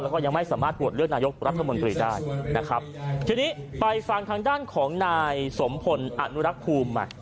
แล้วก็ยังไม่สามารถโหวตเลือกนายกรัฐมนตรีได้นะครับทีนี้ไปฟังทางด้านของนายสมพลอนุรักษ์ภูมิมา